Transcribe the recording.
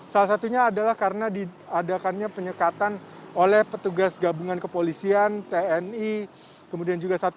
salah satunya adalah karena diadakannya penyekatan oleh petugas gabungan kepolisian tni kemudian juga satpol